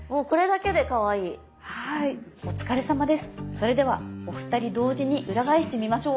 それではお二人同時に裏返してみましょう。